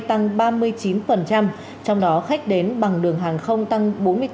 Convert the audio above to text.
tăng ba mươi chín trong đó khách đến bằng đường hàng không tăng bốn mươi bốn